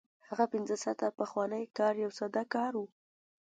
هغه پنځه ساعته پخوانی کار یو ساده کار و